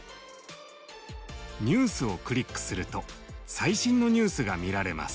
「Ｎｅｗｓ」をクリックすると最新のニュースが見られます。